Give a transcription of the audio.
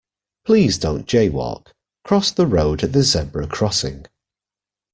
Please don't jay-walk: cross the road at the zebra crossing